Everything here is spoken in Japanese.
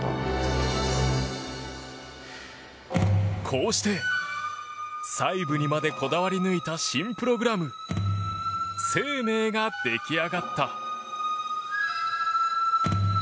こうして細部にまでこだわり抜いた新プログラム「ＳＥＩＭＥＩ」が出来上がった。